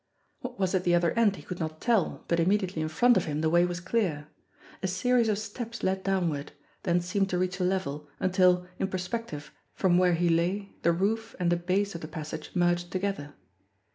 What was at the other end he could not tell, but immediately in front of him the way was clear. A series of steps led downward, then seemed to reach a level, until, in perspective, from where he lay, the roof and the base of the passage merged together.